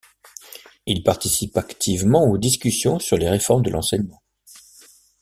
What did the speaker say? Il participe activement aux discussions sur les réformes de l’enseignement.